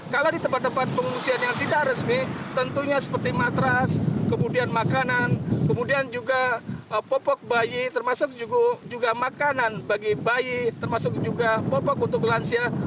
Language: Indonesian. kalau di tempat tempat pengungsian yang tidak resmi tentunya seperti matras kemudian makanan kemudian juga popok bayi termasuk juga makanan bagi bayi termasuk juga popok untuk lansia